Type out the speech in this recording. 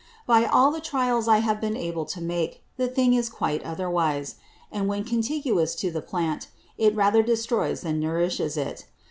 By all the Trials I have been able to make, the thing is quite otherwise; and when contiguous to the Plant, it rather destroys than nourishes it.